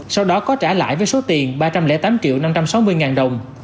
sau đó có trả lại với số tiền ba trăm linh tám triệu năm trăm sáu mươi ngàn đồng